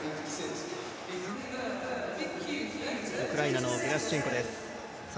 ウクライナのゲラシュチェンコです。